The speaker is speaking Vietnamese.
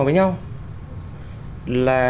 với nhau là